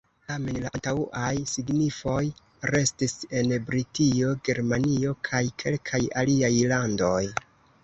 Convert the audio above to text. Tamen la antaŭaj signifoj restis en Britio, Germanio kaj kelkaj aliaj landoj.